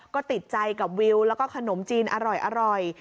ก็ติดใจกับวิวแล้วก็ขนมจีนอร่อย